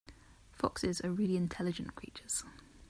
Foxes are really intelligent creatures.